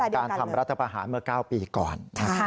การทำรัฐประหารเมื่อ๙ปีก่อน